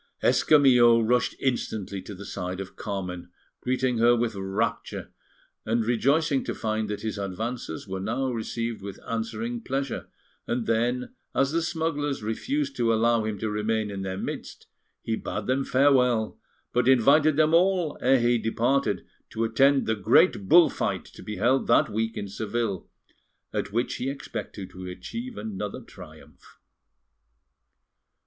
Escamillo rushed instantly to the side of Carmen, greeting her with rapture, and rejoicing to find that his advances were now received with answering pleasure; and then, as the smugglers refused to allow him to remain in their midst, he bade them farewell, but invited them all ere he departed to attend the great bull fight to be held that week in Seville, at which he expected to achieve another triumph.